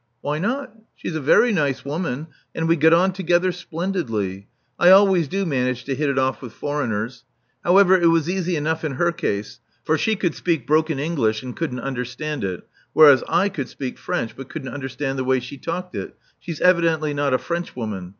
" Why not? She's a very nice woman; and we got on together splendidly. I always do manage to hit it ofip with foreigners. However, it was easy enough in her case; for she could speak broken English and couldn't understand it, whereas I could speak French but couldn't understand the way she talked it — she's evidently not a Frenchwoman.